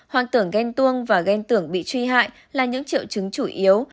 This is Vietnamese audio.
hoang tưởng ghen tuông và ghen tưởng bị truy hại là những triệu chứng chủ yếu